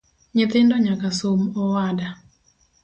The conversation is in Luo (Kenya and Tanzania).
Nyithindo nyaka som awada